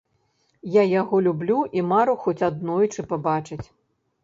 Я яго люблю і мару хоць аднойчы пабачыць.